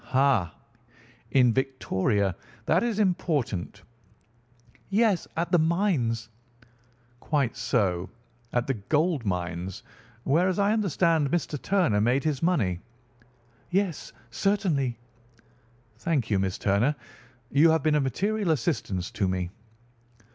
"Ha! In Victoria! That is important." "Yes, at the mines." "Quite so; at the gold mines, where, as I understand, Mr. Turner made his money." "Yes, certainly." "Thank you, Miss Turner. You have been of material assistance to me."